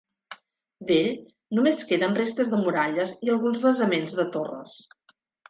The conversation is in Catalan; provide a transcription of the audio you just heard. D'ell només queden restes de muralles i alguns basaments de torres.